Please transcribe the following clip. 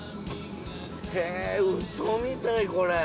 へぇウソみたいこれ。